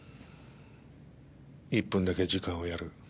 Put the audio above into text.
１分だけ時間をやる。